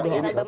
ini kan asumsi